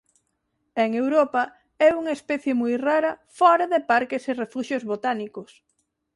En Europa é unha especie moi rara fóra de parques e refuxios botánicos.